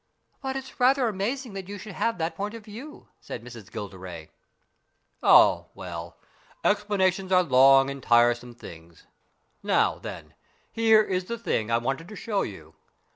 " But it's rather amazing that you should have that point of view," said Miss Gilderay. "Oh, well, explanations are long and tiresome things. Now, then, here is the thing I wanted to show you.